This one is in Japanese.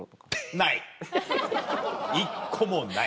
ない１個もない。